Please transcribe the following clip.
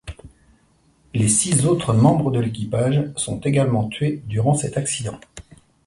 Les six autres membres de l'équipage sont également tués durant cet accident.